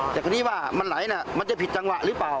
แต่คราวนี้ว่ามันไหลนะมันจะผิดจังหวะหรือเปล่า